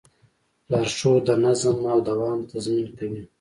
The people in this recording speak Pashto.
لارښود د نظم او دوام تضمین کوي.